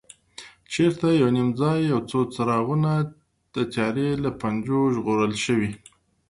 چېرته یو نیم ځای یو څو څراغونه د تیارې له پنجو ژغورل شوي.